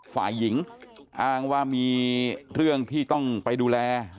ฝ่ายหญิงอ้างว่ามีเรื่องที่ต้องไปดูแล